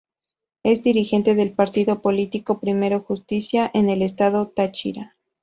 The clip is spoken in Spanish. Es dirigente del partido politico Primero Justicia en el estado Táchira.